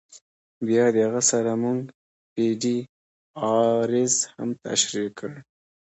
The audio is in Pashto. بیا د هغه سره مونږ پی ډی آریز هم تشریح کړل.